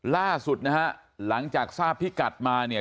ล่าสุดนะฮะหลังจากทราบพิกัดมาเนี่ย